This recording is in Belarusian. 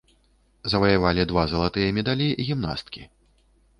Заваявалі два залатыя медалі гімнасткі.